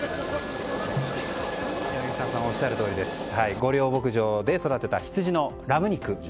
御料牧場で育てた羊のラム肉。